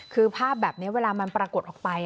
คือภาพแบบนี้เวลามันปรากฏออกไป